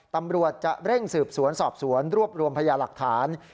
ตำรวจจะเร่งสืบสวนสอบสวนรวบรวมพยาหลักฐาน